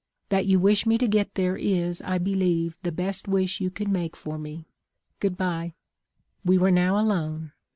That you wish me to get there is, I believe, the best wish you could make for me. Good bye.' "We were now alone.